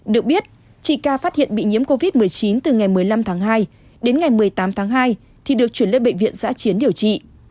được biết chị ca phát hiện bị nhiễm covid một mươi chín từ ngày một mươi năm tháng hai đến ngày một mươi tám tháng hai thì được chuyển lên bệnh viện giã chiến điều trị